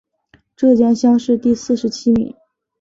浙江乡试第四十七名。